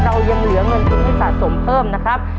เรายังเหลือเงินทุนที่สะสมเพิ่มนะครับ